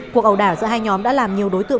cuộc ẩu đảo giữa hai nhóm đã làm nhiều đối chiến